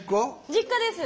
実家です。